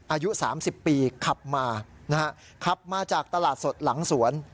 อายุ๓๐ปีขับมานะฮะขับมาจากตลาดสดหลังสวน